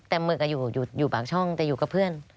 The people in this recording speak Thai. แต่หมึกอยู่ปากช่องแต่อยู่กับเพื่อน